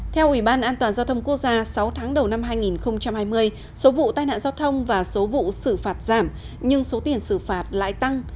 theo ủy ban an toàn giao thông quốc gia sáu tháng đầu năm hai nghìn hai mươi số vụ tai nạn giao thông và số vụ xử phạt giảm nhưng số tiền xử phạt lại tăng